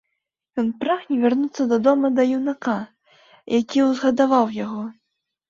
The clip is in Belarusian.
Ён прагне вярнуцца дадому да юнака, які ўзгадаваў яго.